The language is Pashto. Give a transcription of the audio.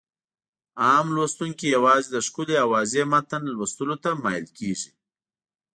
عام لوستونکي يوازې د ښکلي او واضح متن لوستلو ته مايل کېږي.